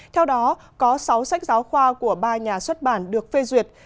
theo đó có sáu sách giáo khoa của ba nhà xuất bản được phê duyệt